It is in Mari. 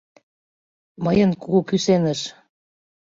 Мыйын кугу кӱсеныш.